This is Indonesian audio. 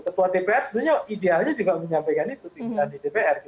ketua dpr sebenarnya idealnya juga menyampaikan itu pimpinan di dpr